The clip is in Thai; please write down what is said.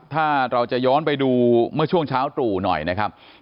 ถ้าเราจะย้อนไปดูเมื่อช่วงเช้าตรู่หน่อยนะครับ